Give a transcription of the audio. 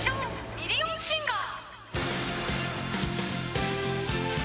ミリオンシンガー